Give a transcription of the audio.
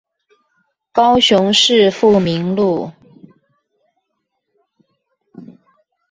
高雄市富民路